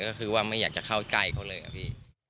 ก็คือว่าไม่อยากจะเข้าใกล้เขาเลยอะพี่